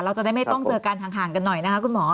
เราจะไม่ต้องเจอกันห่างกันหน่อยนะคะ